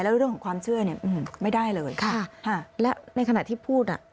แล้วเรื่องของความเชื่อเนี่ยไม่ได้เลยค่ะแล้วในขณะที่พูดอ่ะ